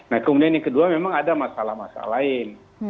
nah kemudian yang kedua memang ada masalah masalah lain